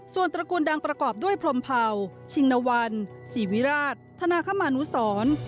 ส่วนตระกูลดังประกอบด้วยพรมเผาชิงนวันศรีวิราชธนาคมานุสร